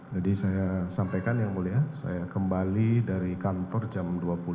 jadi saya sampaikan yang mulia saya kembali dari kantor jam dua puluh